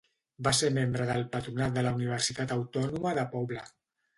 Va ser membre del patronat de la Universitat Autònoma de Pobla.